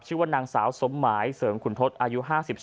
ชื่อว่านางสาวสมหมายเสริมคุณทศอายุ๕๓